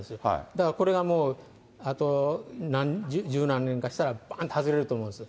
だからこれがもう、あと十何年かしたら、ばんと外れると思うんです。